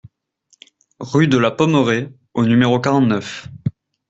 Rue de la Pommerais au numéro quarante-neuf